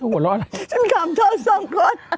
เธอหัวเราะอะไรฉันขำโทษสองคน